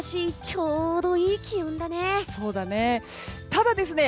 ちょうどいい気温だね。